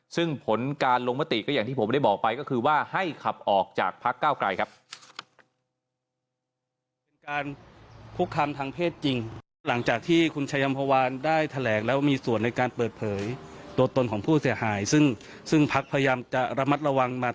ซึ่งผลการลงมติก็อย่างที่ผมได้บอกไปก็คือว่าให้ขับออกจากพักเก้าไกลครับ